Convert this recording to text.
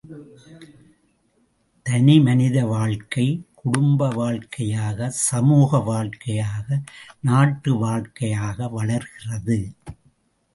தனி மனித வாழ்க்கை, குடும்ப வாழ்க்கையாக சமூக வாழ்க்கையாக, நாட்டு வாழ்க்கையாக வளர்கிறது!